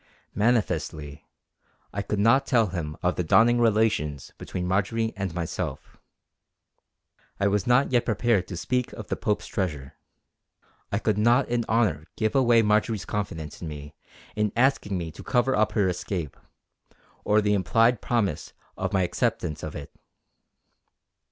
Manifestly, I could not tell him of the dawning relations between Marjory and myself. I was not yet prepared to speak of the Pope's treasure. I could not in honour give away Marjory's confidence in me in asking me to cover up her escape, or the implied promise of my acceptance of it.